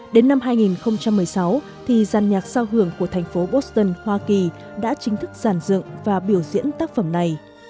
đến năm hai nghìn một mươi sáu thì giả nhạc giao hưởng của thành phố boston hoa kỳ đã chính thức giản dựng và biểu diễn tác phẩm này